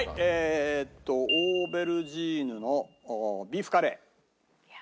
オーベルジーヌのビーフカレー。